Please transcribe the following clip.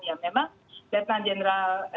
ya memang depan jenderal